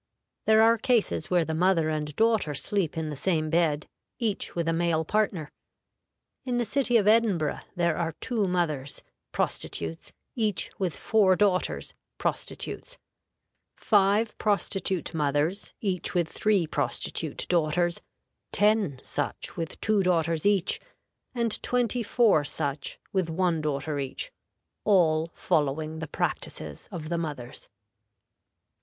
There are cases where the mother and daughter sleep in the same bed, each with a male partner. In the city of Edinburgh there are two mothers, prostitutes, each with four daughters, prostitutes; five prostitute mothers each with three prostitute daughters, ten such with two daughters each, and twenty four such with one daughter each, all following the practices of the mothers.